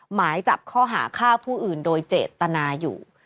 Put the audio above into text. หมายจับข้อหาฆ่าผู้อื่นโดยเจตนาอยู่